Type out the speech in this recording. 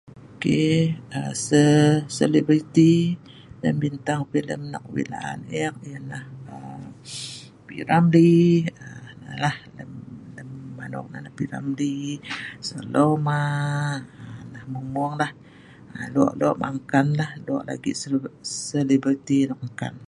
um um se.. selebriti ngan bintang filem nok wei laan eek ialah um... P. Ramlee.. [um]..lem..lem.. anok nah P.Ramlee, Salomaa...nah mung mung lah, um.. lok lok ma' nkan lah lok lagi seleb.. selebriti nok nkan